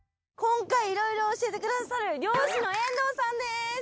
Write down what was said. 今回色々教えてくださる漁師の遠藤さんです。